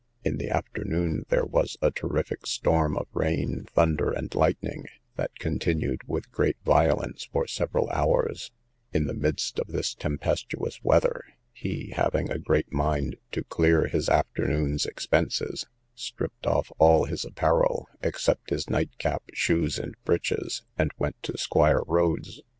In the afternoon there was a terrific storm of rain, thunder, and lightning, that continued with great violence for several hours: in the midst of this tempestuous weather, he (having a great mind to clear his afternoon's expenses) stripped off all his apparel, except his nightcap, shoes, and breeches, and went to Squire Rhodes's.